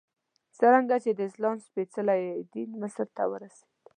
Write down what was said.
څرنګه چې د اسلام سپېڅلی دین مصر ته ورسېد.